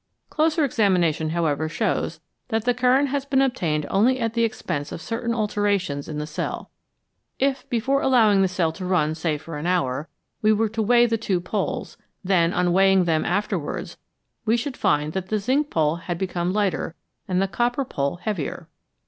Closer examination, however, shows that the current has been obtained only at the expense of certain alterations in the cell. If, before allowing the cell to run, say for an hour, we were to weigh the two poles, then, on weighing them again afterwards, we should find that the zinc pole had become lighter, and the copper pole heavier.